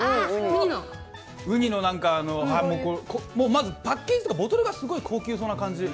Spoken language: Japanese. ウニのなんか、もうまずパッケージというか、ボトルがすごい高級そうな感じ。